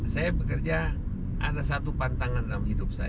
saya bekerja ada satu pantangan dalam hidup saya